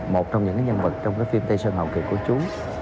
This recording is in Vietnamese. một trong những nhân vật trong cái phim tây sơn hào kiệt của chú